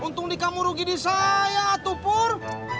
untung dikamu rugi di saya tuh pur